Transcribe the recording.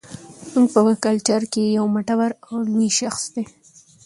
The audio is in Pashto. زموږ په کلچر کې يو مټور او لوى شخص دى